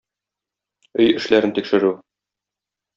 Өй эшләрен тикшерү.